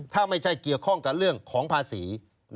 ถ้าไม่ใช่เกี่ยวข้องกับเรื่องของภาษี